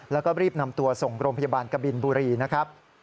แล้วก็รีบนำตัวส่งโรงพยาบาลกบินบุรีนะครับ